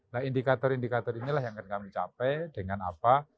nah indikator indikator inilah yang akan kami capai dengan apa